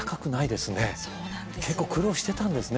結構苦労してたんですね